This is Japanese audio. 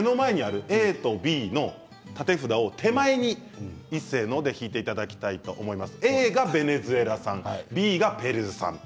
目の前にあるＡとＢの立て札を手前にいっせーので引いていただきたいと思います。